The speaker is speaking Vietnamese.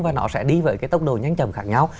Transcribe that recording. và nó sẽ đi với cái tốc độ nhanh chầm khác nhau